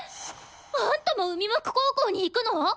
あんたも海幕高校に行くの！？